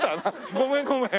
ごめんごめん。